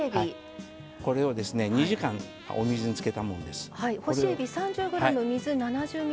これを２時間お水につけたもんです。